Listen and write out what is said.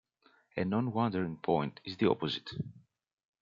A non-wandering point is the opposite.